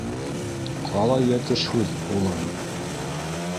Ҡайһылай йәтеш һүҙ: «Улым...»